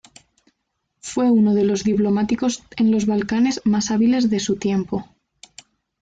Fue uno de los diplomáticos en los Balcanes más hábiles de su tiempo.